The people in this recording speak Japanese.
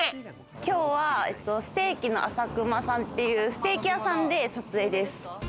きょうはステーキのあさくまさんっていうステーキ屋さんで撮影です。